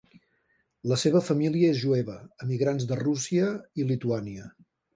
La seva família és jueva, emigrants de Rússia i Lituània.